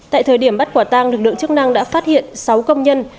tại thời điểm bắt quả tang lực lượng chức năng đã phát hiện sáu công nhân